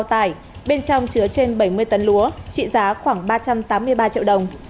tải bên trong chứa trên bảy mươi tấn lúa trị giá khoảng ba trăm tám mươi ba triệu đồng